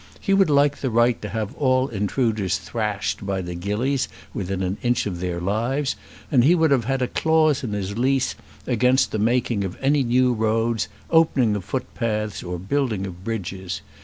He would like the right to have all intruders thrashed by the gillies within an inch of their lives; and he would have had a clause in his lease against the making of any new roads, opening of footpaths, or building of bridges.